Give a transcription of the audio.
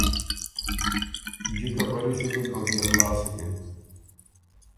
جِکه برّی سُکِن او بيې خلاص سُکِن،